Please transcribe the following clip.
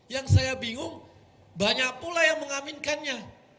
yang saya bingung banyak pula yang mengaminkannya